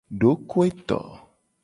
Dokoeto.